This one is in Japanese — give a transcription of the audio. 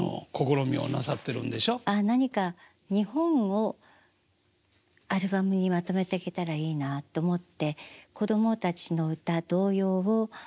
何か日本をアルバムにまとめていけたらいいなと思って子供たちの歌童謡を「童」という形で。